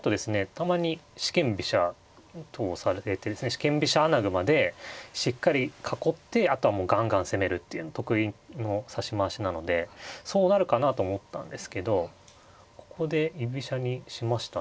たまに四間飛車等をされてですね四間飛車穴熊でしっかり囲ってあとはもうガンガン攻めるっていうの得意の指し回しなのでそうなるかなと思ったんですけどここで居飛車にしましたね。